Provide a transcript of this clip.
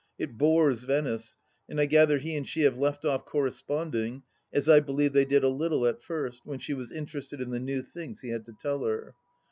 It bores Venice, and I gather he and she have left oft correspondmg, as I believe they did a little at first when she was interested in the new things he had to tell her.